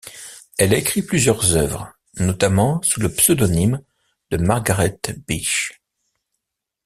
Elle a écrit plusieurs œuvres, notamment sous le pseudonyme de Margaret Beech.